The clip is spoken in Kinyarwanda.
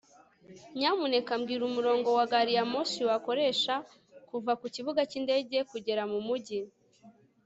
nyamuneka mbwira umurongo wa gari ya moshi wakoresha kuva ku kibuga cyindege kugera mu mujyi